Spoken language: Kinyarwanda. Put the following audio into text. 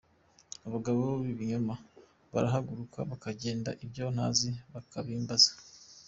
Abagabo b’ibinyoma barahaguruka, Bakandega ibyo ntazi bakabimbaza.